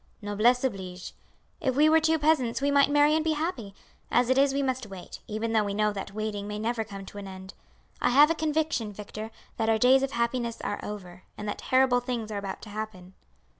Noblesse oblige. If we were two peasants we might marry and be happy. As it is we must wait, even though we know that waiting may never come to an end. I have a conviction, Victor, that our days of happiness are over, and that terrible things are about to happen."